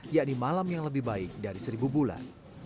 yakni malam yang lebih baik dari seribu bulan